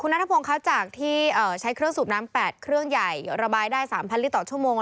นัทพงศ์คะจากที่ใช้เครื่องสูบน้ำ๘เครื่องใหญ่ระบายได้๓๐๐ลิตรต่อชั่วโมง